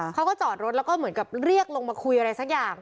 เขาก็จอดรถแล้วก็เหมือนกับเรียกลงมาคุยอะไรสักอย่าง